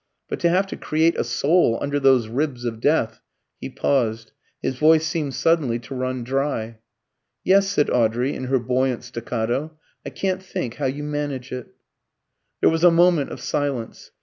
But to have to 'create a soul under those ribs of death' " he paused. His voice seemed suddenly to run dry. "Yes," said Audrey in her buoyant staccato, "I can't think how you manage it." There was a moment of silence.